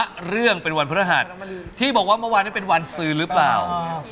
มะเรืองเป็นวันพระธรรมที่บอกว่ามะวานนี่เป็นวันซืลึปล่าว